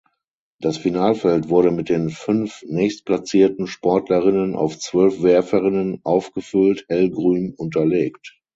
Das Finalfeld wurde mit den fünf nächstplatzierten Sportlerinnen auf zwölf Werferinnen aufgefüllt (hellgrün unterlegt).